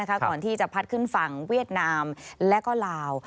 ก่อนที่จะพัดขึ้นฝั่งเวียดนามและก็ลาว